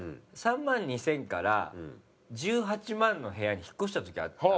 ３万２０００から１８万の部屋に引っ越した時あったの。